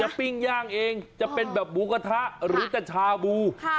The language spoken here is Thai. ปิ้งย่างเองจะเป็นแบบหมูกระทะหรือจะชาบู